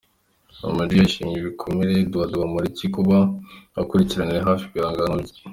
Ama G yashimiye bikomeye Edouard Bamporiki kuba akurikiranira hafi ibihangano bye.